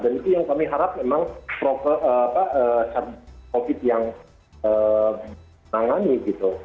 dan itu yang kami harap memang satgas covid yang menangani gitu